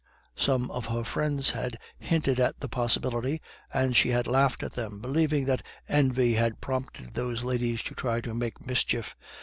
Some of her friends had hinted at the possibility, and she had laughed at them, believing that envy had prompted those ladies to try to make mischief.